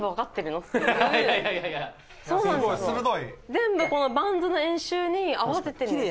全部このバンズの円周に合わせてるんです